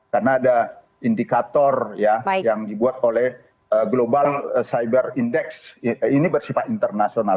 karena ada indikator ya yang dibuat oleh global cyber index ini bersifat internasional